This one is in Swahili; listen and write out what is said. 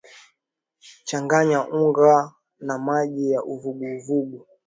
Changanya unga na maji ya uvuguvugu